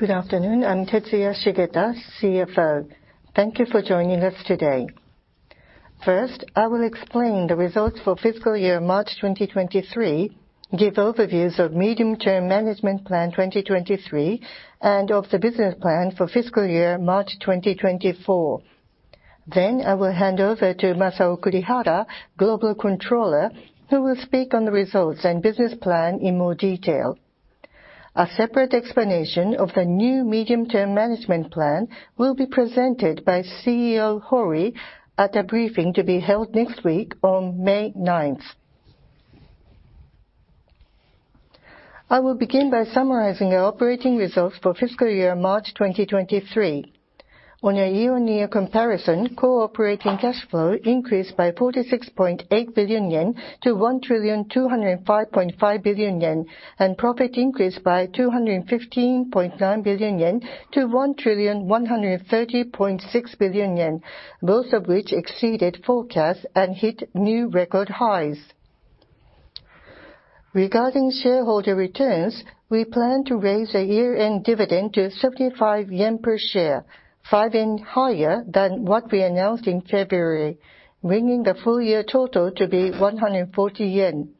Good afternoon. I'm Tetsuya Shigeta, CFO. Thank you for joining us today. First, I will explain the results for fiscal year March 2023, give overviews of Medium-term Management Plan 2023, and of the business plan for fiscal year March 2024. I will hand over to Masao Kurihara, Global Controller, who will speak on the results and business plan in more detail. A separate explanation of the new Medium-term Management Plan will be presented by CEO Hori at a briefing to be held next week on May 9th. I will begin by summarizing our operating results for fiscal year March 2023. On a year-on-year comparison, Core Operating Cash Flow increased by 46.8 billion yen to 1,205.5 billion yen. Profit increased by 215.9 billion yen to 1,130.6 billion yen, both of which exceeded forecasts and hit new record highs. Regarding shareholder returns, we plan to raise the year-end dividend to 75 yen per share, 5 yen higher than what we announced in February, bringing the full year total to be 140 yen.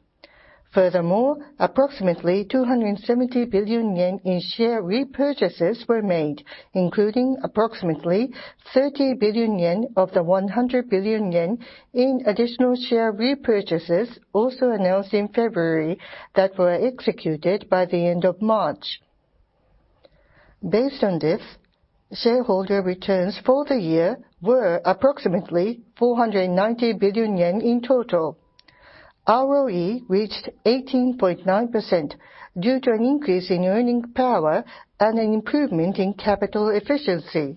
Approximately 270 billion yen in share repurchases were made, including approximately 30 billion yen of the 100 billion yen in additional share repurchases also announced in February that were executed by the end of March. Based on this, shareholder returns for the year were approximately 490 billion yen in total. ROE reached 18.9% due to an increase in earning power and an improvement in capital efficiency.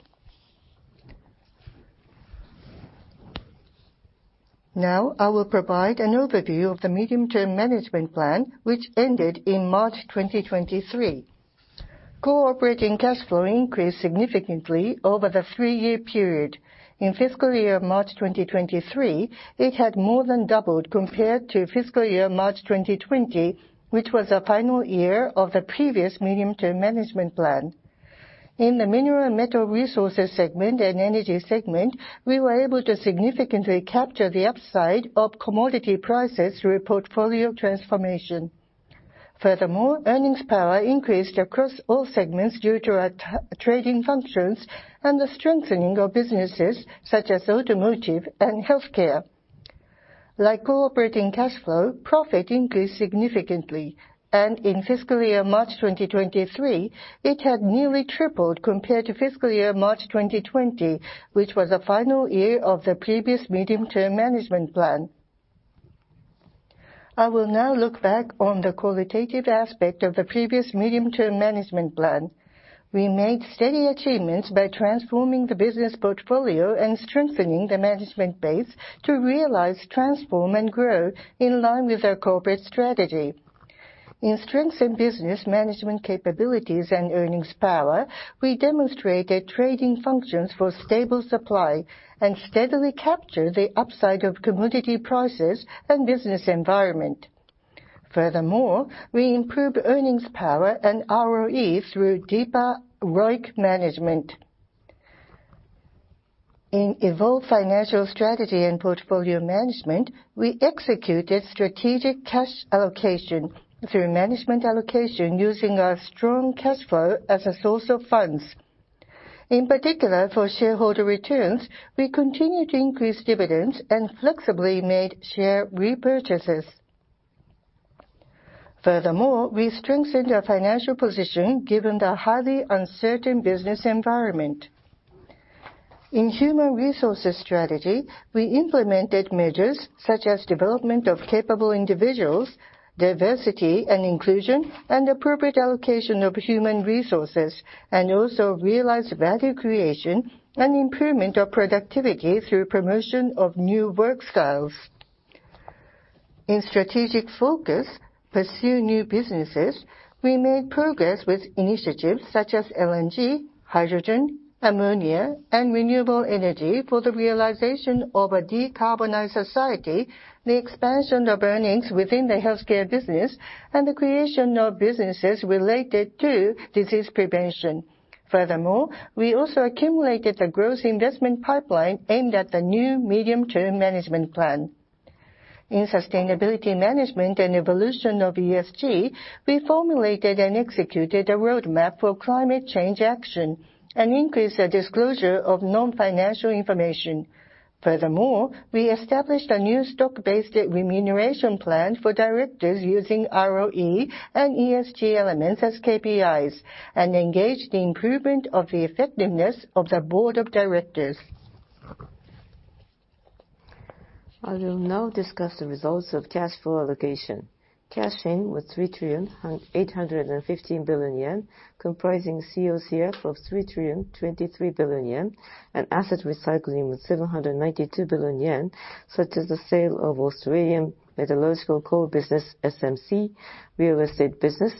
I will provide an overview of the Medium-term Management Plan, which ended in March 2023. Core Operating Cash Flow increased significantly over the three-year period. In fiscal year March 2023, it had more than doubled compared to fiscal year March 2020, which was the final year of the previous Medium-term Management Plan. In the mineral and metal resources segment and energy segment, we were able to significantly capture the upside of commodity prices through portfolio transformation. Earnings power increased across all segments due to our trading functions and the strengthening of businesses such as automotive and healthcare. Like Core Operating Cash Flow, profit increased significantly. In fiscal year March 2023, it had nearly tripled compared to fiscal year March 2020, which was the final year of the previous Medium-term Management Plan. I will now look back on the qualitative aspect of the previous Medium-term Management Plan. We made steady achievements by transforming the business portfolio and strengthening the management base to realize Transform and Grow in line with our corporate strategy. In strengthen business management capabilities and earnings power, we demonstrated trading functions for stable supply and steadily captured the upside of commodity prices and business environment. We improved earnings power and ROE through deeper ROIC management. In evolve financial strategy and portfolio management, we executed strategic cash allocation through Management Allocation using our strong cash flow as a source of funds. In particular, for shareholder returns, we continued to increase dividends and flexibly made share repurchases. We strengthened our financial position given the highly uncertain business environment. In human resources strategy, we implemented measures such as development of capable individuals, diversity and inclusion, and appropriate allocation of human resources, and also realized value creation and improvement of productivity through promotion of new work styles. In strategic focus, pursue new businesses, we made progress with initiatives such as LNG, hydrogen, ammonia, and renewable energy for the realization of a decarbonized society, the expansion of earnings within the healthcare business, and the creation of businesses related to disease prevention. We also accumulated a growth investment pipeline aimed at the new Medium-term Management Plan. In sustainability management and evolution of ESG, we formulated and executed a roadmap for climate change action and increased the disclosure of non-financial information. We established a new stock-based remuneration plan for directors using ROE and ESG elements as KPIs and engaged the improvement of the effectiveness of the board of directors. I will now discuss the results of cash flow allocation. Cash in was 3,815 billion yen, comprising COCF of 3,023 billion yen, and asset recycling with 792 billion yen, such as the sale of Australian Metallurgical Coal business, SMC, real estate business,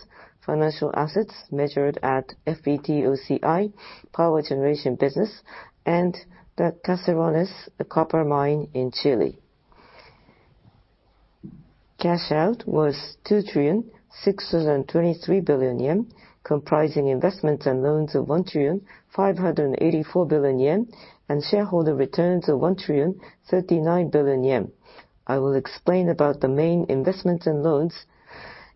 financial assets measured at FVTOCI, power generation business, and the Caserones copper mine in Chile. Cash out was 2,623 billion yen, comprising investments and loans of 1,584 billion yen, and shareholder returns of 1,039 billion yen. I will explain about the main investments and loans.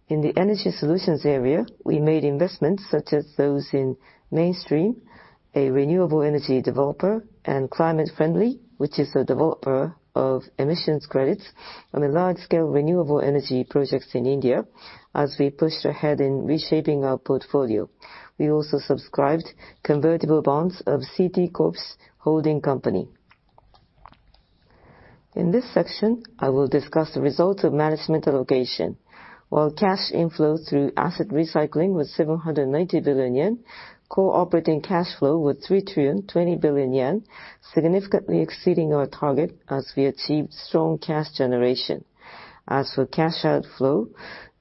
In the energy solutions area, we made investments such as those in Mainstream, a renewable energy developer, and Climate Friendly, which is a developer of emissions credits on the large scale renewable energy projects in India. As we pushed ahead in reshaping our portfolio, we also subscribed convertible bonds of CT Corp's holding company. In this section, I will discuss the results of Management Allocation. While cash inflow through asset recycling was 790 billion yen, Core Operating Cash Flow was 3,020 billion yen, significantly exceeding our target as we achieved strong cash generation. As for cash outflow,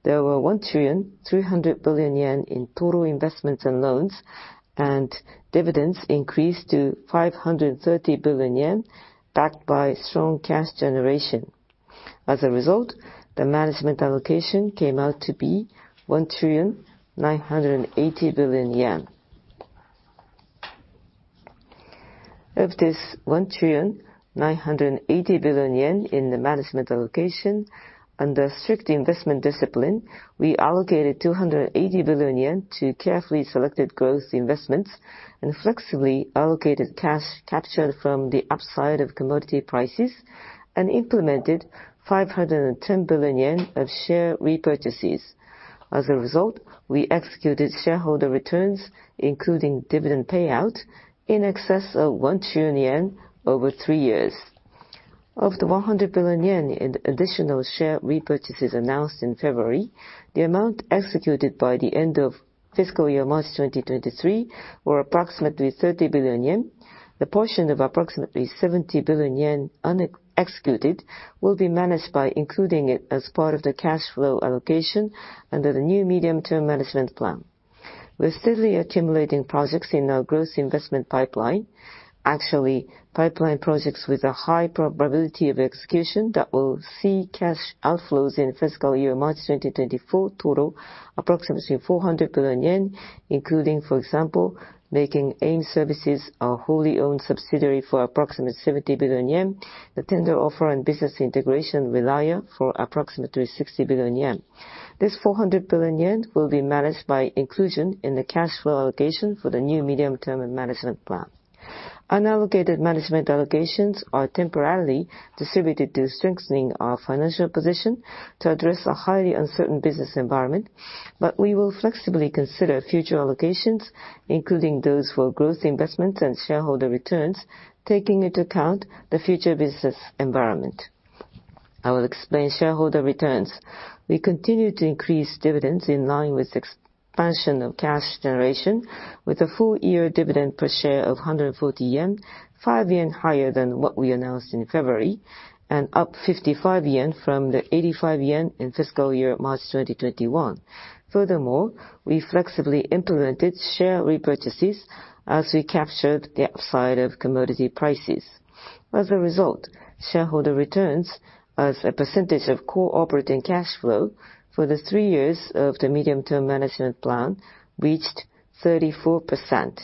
there were 1,300 billion yen in total investments and loans, and dividends increased to 530 billion yen, backed by strong cash generation. As a result, the Management Allocation came out to be 1.98 trillion. Of this 1.98 trillion in the Management Allocation, under strict investment discipline, we allocated 280 billion yen to carefully selected growth investments and flexibly allocated cash captured from the upside of commodity prices and implemented 510 billion yen of share repurchases. As a result, we executed shareholder returns, including dividend payout, in excess of 1 trillion yen over three years. Of the 100 billion yen in additional share repurchases announced in February, the amount executed by the end of fiscal year March 2023 was approximately 30 billion yen. The portion of approximately 70 billion yen unexecuted will be managed by including it as part of the cash flow allocation under the new Medium-term Management Plan. We're steadily accumulating projects in our growth investment pipeline. Actually, pipeline projects with a high probability of execution that will see cash outflows in fiscal year March 2024 total approximately 400 billion yen, including, for example, making AIM Services a wholly owned subsidiary for approximately 70 billion yen. The tender offer and business integration with Relia for approximately 60 billion yen. This 400 billion yen will be managed by inclusion in the cash flow allocation for the new Medium-term Management Plan. Unallocated Management Allocations are temporarily distributed to strengthening our financial position to address a highly uncertain business environment. We will flexibly consider future allocations, including those for growth investments and shareholder returns, taking into account the future business environment. I will explain shareholder returns. We continue to increase dividends in line with expansion of cash generation, with a full year dividend per share of 140 yen, 5 yen higher than what we announced in February, and up 55 yen from the 85 yen in fiscal year March 2021. Furthermore, we flexibly implemented share repurchases as we captured the upside of commodity prices. As a result, shareholder returns as a percentage of Core Operating Cash Flow for the three years of the Medium-term Management Plan 2023 reached 34%.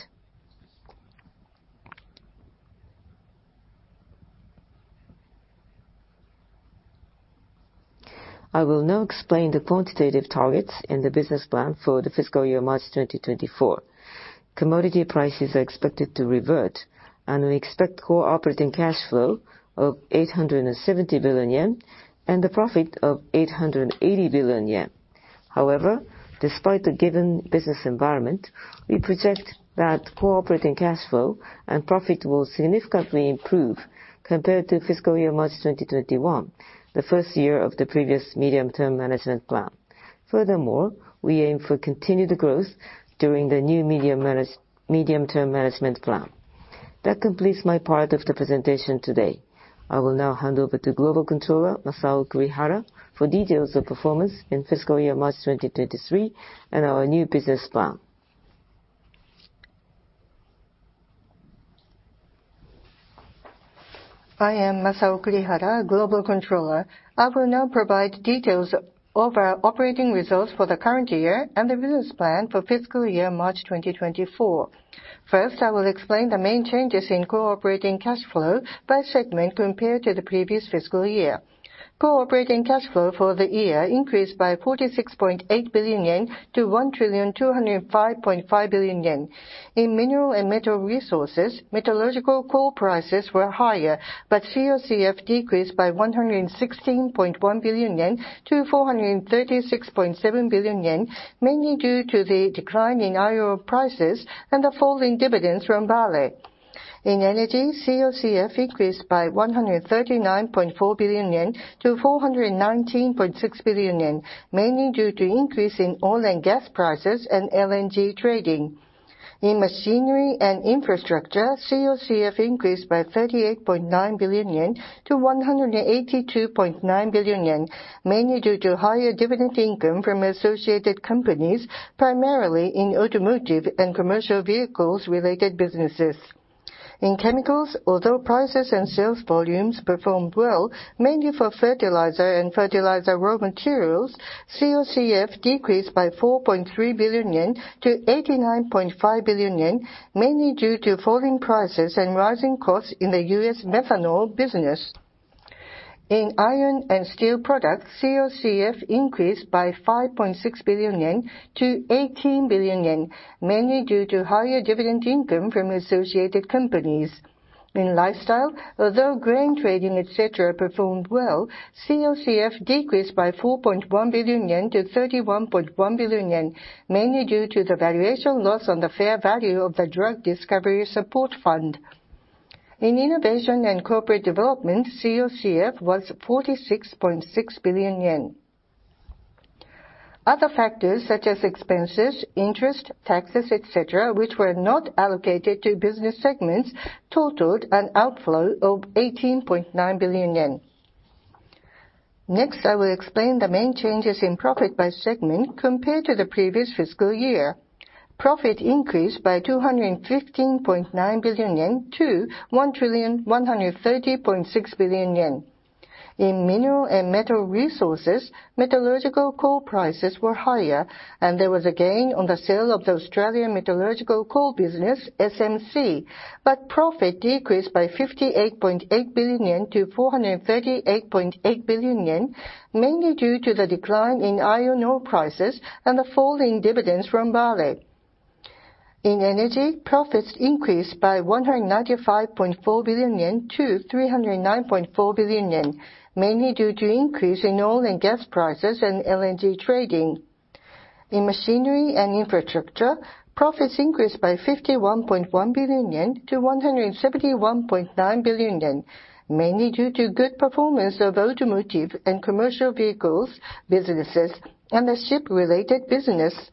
I will now explain the quantitative targets in the business plan for the fiscal year March 2024. Commodity prices are expected to revert. We expect Core Operating Cash Flow of 870 billion yen and profit of 880 billion yen. However, despite the given business environment, we project that Core Operating Cash Flow and profit will significantly improve compared to fiscal year March 2021, the first year of the previous Medium-term Management Plan. Furthermore, we aim for continued growth during the new Medium-term Management Plan. That completes my part of the presentation today. I will now hand over to Global Controller Masao Kurihara for details of performance in fiscal year March 2023 and our new business plan. I am Masao Kurihara, Global Controller. I will now provide details of our operating results for the current year and the business plan for fiscal year March 2024. I will explain the main changes in Core Operating Cash Flow by segment compared to the previous fiscal year. Core Operating Cash Flow for the year increased by 46.8 billion yen to 1,205.5 billion yen. In mineral and metal resources, metallurgical coal prices were higher, COCF decreased by 116.1 billion yen to 436.7 billion yen, mainly due to the decline in iron ore prices and the fall in dividends from Vale. In energy, COCF increased by 139.4 billion yen to 419.6 billion yen, mainly due to increase in oil and gas prices and LNG trading. In machinery and infrastructure, COCF increased by 38.9 billion yen to 182.9 billion yen, mainly due to higher dividend income from associated companies, primarily in automotive and commercial vehicles related businesses. In chemicals, although prices and sales volumes performed well, mainly for fertilizer and fertilizer raw materials, COCF decreased by 4.3 billion yen to 89.5 billion yen, mainly due to falling prices and rising costs in the U.S. methanol business. In iron and steel products, COCF increased by 5.6 billion yen to 18 billion yen, mainly due to higher dividend income from associated companies. In lifestyle, although grain trading, et cetera, performed well, COCF decreased by 4.1 billion-31.1 billion yen, mainly due to the valuation loss on the fair value of the drug discovery support fund. In innovation and corporate development, COCF was 46.6 billion yen. Other factors such as expenses, interest, taxes, et cetera, which were not allocated to business segments totaled an outflow of 18.9 billion yen. I will explain the main changes in profit by segment compared to the previous fiscal year. Profit increased by 215.9 billion-1,130.6 billion yen. In mineral and metal resources, metallurgical coal prices were higher, and there was a gain on the sale of the Australian Metallurgical Coal business, SMC. Profit decreased by 58.8 billion-438.8 billion yen, mainly due to the decline in iron ore prices and the falling dividends from Vale. In energy, profits increased by 195.4 billion-309.4 billion yen, mainly due to increase in oil and gas prices and LNG trading. In machinery and infrastructure, profits increased by 51.1 billion yen to 171.9 billion yen, mainly due to good performance of automotive and commercial vehicles, businesses, and the ship related business.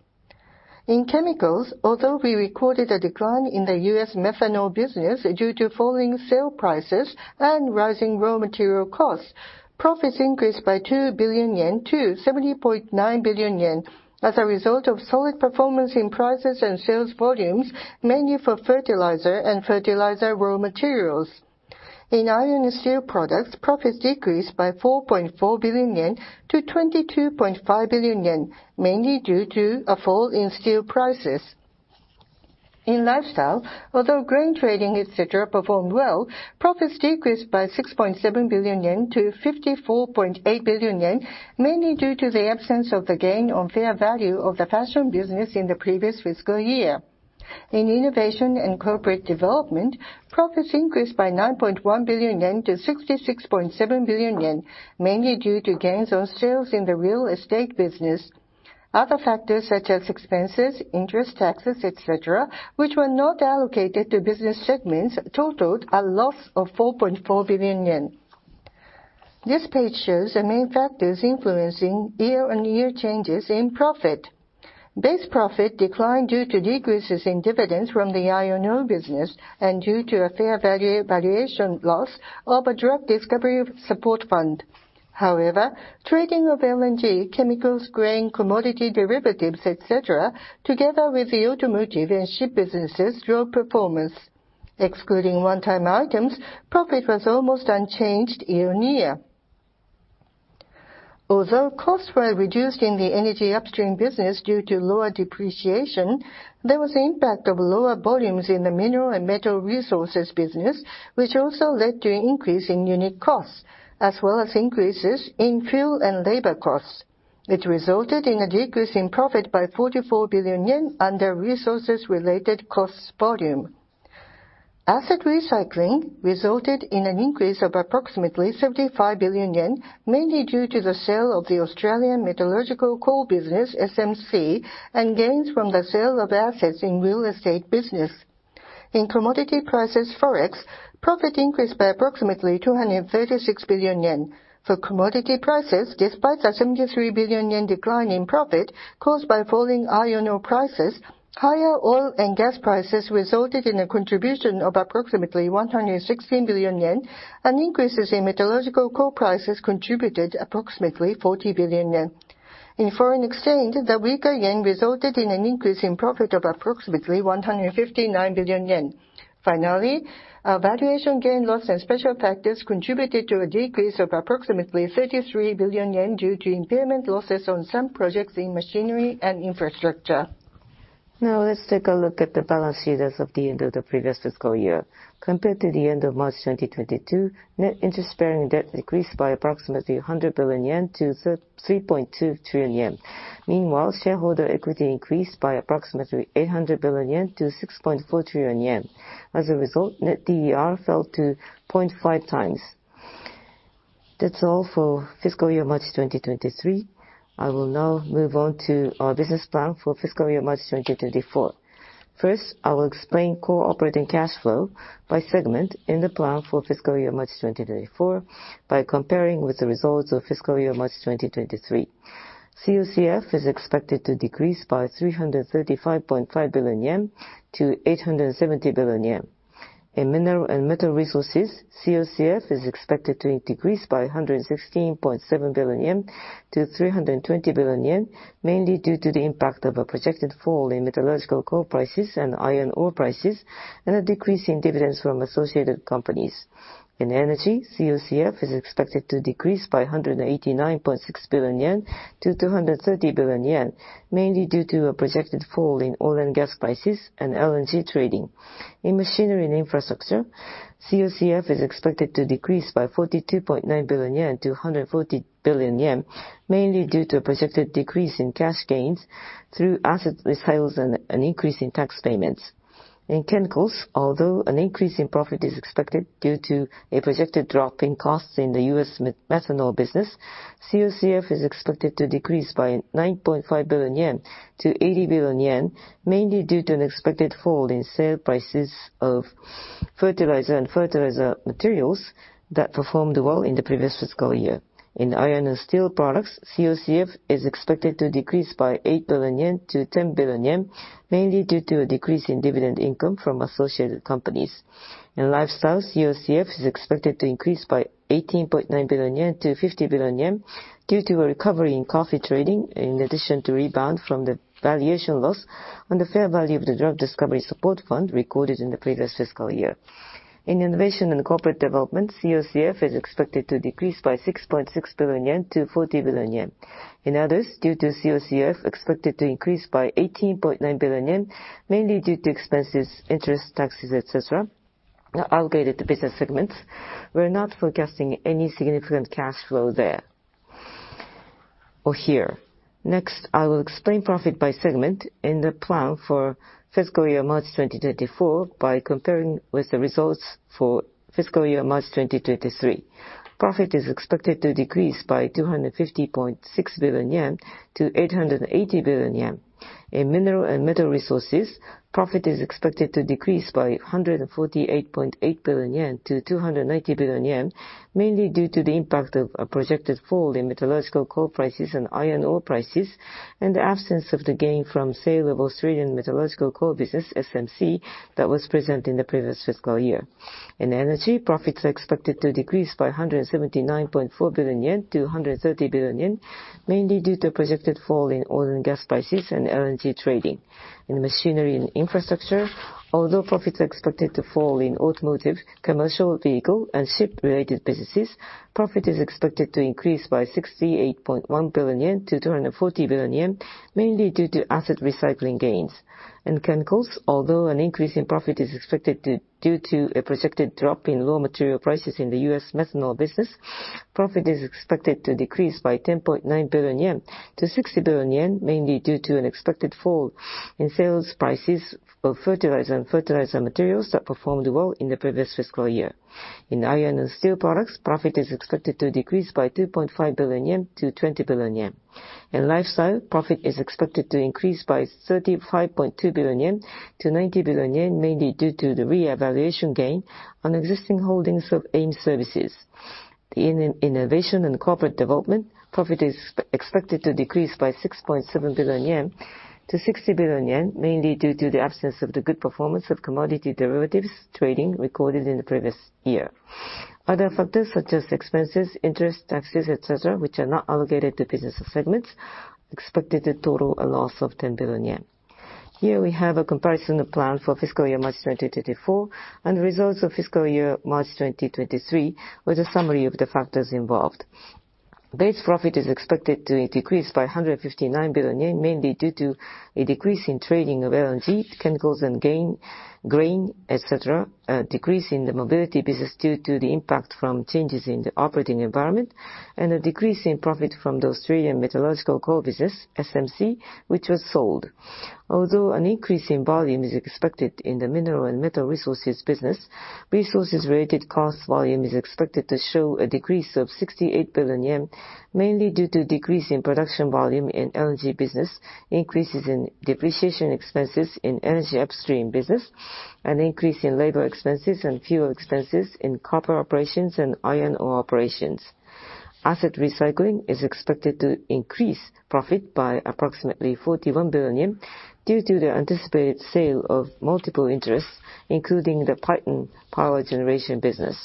In chemicals, although we recorded a decline in the U.S. methanol business due to falling sale prices and rising raw material costs, profits increased by 2 billion yen to 70.9 billion yen as a result of solid performance in prices and sales volumes, mainly for fertilizer and fertilizer raw materials. In iron and steel products, profits decreased by 4.4 billion yen to 22.5 billion yen, mainly due to a fall in steel prices. In lifestyle, although grain trading, et cetera, performed well, profits decreased by 6.7 billion yen to 54.8 billion yen, mainly due to the absence of the gain on fair value of the fashion business in the previous fiscal year. In innovation and corporate development, profits increased by 9.1 billion yen to 66.7 billion yen, mainly due to gains on sales in the real estate business. Other factors such as expenses, interest, taxes, et cetera, which were not allocated to business segments totaled a loss of 4.4 billion yen. This page shows the main factors influencing year-on-year changes in profit. Base profit declined due to decreases in dividends from the iron ore business and due to a fair value valuation loss of a drug discovery support fund. Trading of LNG, chemicals, grain, commodity derivatives, et cetera, together with the automotive and ship businesses, drove performance. Excluding one-time items, profit was almost unchanged year-on-year. Although costs were reduced in the energy upstream business due to lower depreciation, there was impact of lower volumes in the mineral and metal resources business, which also led to an increase in unit costs as well as increases in fuel and labor costs, which resulted in a decrease in profit by 44 billion yen under resources related costs volume. Asset recycling resulted in an increase of approximately 75 billion yen, mainly due to the sale of the Australian Metallurgical Coal business, SMC, and gains from the sale of assets in real estate business. In commodity prices Forex, profit increased by approximately 236 billion yen. For commodity prices, despite a 73 billion yen decline in profit caused by falling iron ore prices, higher oil and gas prices resulted in a contribution of approximately 116 billion yen, and increases in metallurgical coal prices contributed approximately 40 billion yen. In foreign exchange, the weaker yen resulted in an increase in profit of approximately 159 billion yen. A valuation gain loss and special factors contributed to a decrease of approximately 33 billion yen due to impairment losses on some projects in machinery and infrastructure. Let's take a look at the balance sheet as of the end of the previous fiscal year. Compared to the end of March 2022, net interest-bearing debt decreased by approximately 100 billion yen to 3.2 trillion yen. Shareholder equity increased by approximately 800 billion yen to 6.4 trillion yen. Net DER fell to 0.5 times. That's all for fiscal year March 2023. I will now move on to our business plan for fiscal year March 2024. I will explain Core Operating Cash Flow by segment in the plan for fiscal year March 2024 by comparing with the results of fiscal year March 2023. COCF is expected to decrease by 335.5 billion yen to 870 billion yen. In mineral and metal resources, COCF is expected to decrease by 116.7 billion yen to 320 billion yen, mainly due to the impact of a projected fall in metallurgical coal prices and iron ore prices, and a decrease in dividends from associated companies. In energy, COCF is expected to decrease by 189.6 billion yen to 230 billion yen, mainly due to a projected fall in oil and gas prices and LNG trading. In machinery and infrastructure, COCF is expected to decrease by 42.9 billion yen to 140 billion yen, mainly due to a projected decrease in cash gains through asset resales and an increase in tax payments. In chemicals, although an increase in profit is expected due to a projected drop in costs in the U.S. methanol business, COCF is expected to decrease by 9.5 billion yen to 80 billion yen, mainly due to an expected fall in sale prices of fertilizer and fertilizer materials that performed well in the previous fiscal year. In iron and steel products, COCF is expected to decrease by 8 billion yen to 10 billion yen, mainly due to a decrease in dividend income from associated companies. In lifestyle, COCF is expected to increase by 18.9 billion yen to 50 billion yen due to a recovery in coffee trading, in addition to rebound from the valuation loss on the fair value of the drug discovery support fund recorded in the previous fiscal year. In innovation and corporate development, COCF is expected to decrease by 6.6 billion yen to 40 billion yen. In others, due to COCF expected to increase by 18.9 billion yen, mainly due to expenses, interest, taxes, et cetera, not allocated to business segments. We're not forecasting any significant cash flow there, or here. I will explain profit by segment in the plan for fiscal year March 2024 by comparing with the results for fiscal year March 2023. Profit is expected to decrease by 250.6 billion yen to 880 billion yen. In mineral and metal resources, profit is expected to decrease by 148.8 billion yen to 290 billion yen, mainly due to the impact of a projected fall in metallurgical coal prices and iron ore prices, and the absence of the gain from sale of Australian Metallurgical Coal business, SMC, that was present in the previous fiscal year. In energy, profits are expected to decrease by 179.4 billion yen to 130 billion yen, mainly due to a projected fall in oil and gas prices and LNG trading. In machinery and infrastructure, although profits are expected to fall in automotive, commercial vehicle, and ship-related businesses, profit is expected to increase by 68.1 billion yen to 240 billion yen, mainly due to asset recycling gains. In chemicals, although an increase in profit is expected due to a projected drop in raw material prices in the U.S. methanol business, profit is expected to decrease by 10.9 billion yen to 60 billion yen, mainly due to an expected fall in sales prices of fertilizer and fertilizer materials that performed well in the previous fiscal year. In iron and steel products, profit is expected to decrease by 2.5 billion yen to 20 billion yen. In lifestyle, profit is expected to increase by 35.2 billion yen to 90 billion yen, mainly due to the reevaluation gain on existing holdings of AIM Services. In innovation and corporate development, profit is expected to decrease by 6.7 billion yen to 60 billion yen, mainly due to the absence of the good performance of commodity derivatives trading recorded in the previous year. Other factors such as expenses, interest, taxes, et cetera, which are not allocated to business segments, expected to total a loss of 10 billion yen. Here we have a comparison of plan for fiscal year March 2024 and results of fiscal year March 2023, with a summary of the factors involved. Base profit is expected to decrease by 159 billion yen, mainly due to a decrease in trading of LNG, chemicals and grain, et cetera, a decrease in the mobility business due to the impact from changes in the operating environment, and a decrease in profit from the Australian Metallurgical Coal business, SMC, which was sold. Although an increase in volume is expected in the mineral and metal resources business, resources-related cost volume is expected to show a decrease of 68 billion yen, mainly due to decrease in production volume in LNG business, increases in depreciation expenses in energy upstream business, an increase in labor expenses and fuel expenses in copper operations and iron ore operations. Asset recycling is expected to increase profit by approximately 41 billion due to the anticipated sale of multiple interests, including the Paiton power generation business.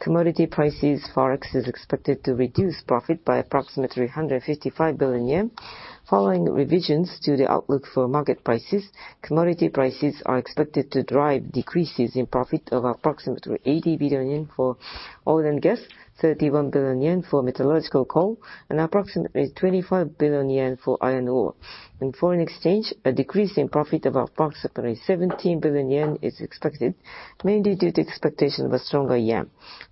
Commodity prices, Forex is expected to reduce profit by approximately 155 billion yen. Following revisions to the outlook for market prices, commodity prices are expected to drive decreases in profit of approximately 80 billion yen for oil and gas, 31 billion yen for metallurgical coal, and approximately 25 billion yen for iron ore. In foreign exchange, a decrease in profit of approximately 17 billion yen is expected, mainly due to expectation of a stronger yen.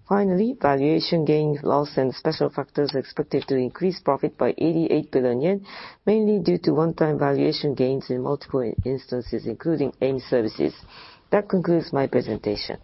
Valuation gains, loss and special factors are expected to increase profit by 88 billion yen, mainly due to one-time valuation gains in multiple instances, including AIM Services. That concludes my presentation.